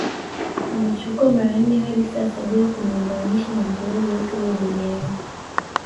Amechukua mara nne hadi sasa Bila kumlinganisha na mchezaji yoyote yule duniani